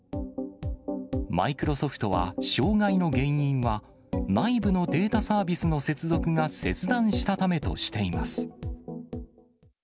マイクロソフトは、障害の原因は内部のデータサービスの接続が切断したためとしています。